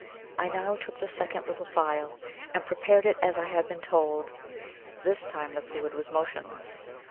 I now took the second little phial, and prepared it as I had been told. This time the fluid was motionless.